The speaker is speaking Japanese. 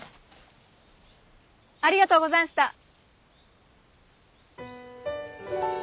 ありがとうござんした。